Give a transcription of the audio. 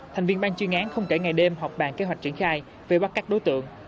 thành viên ban chuyên án không kể ngày đêm họp bàn kế hoạch triển khai về bắt các đối tượng